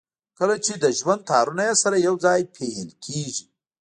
کله چې د ژوند تارونه يې سره يو ځای پييل کېږي.